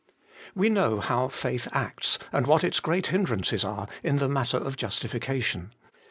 We know how faith acts, and what its great hindrances are, in the matter of justification.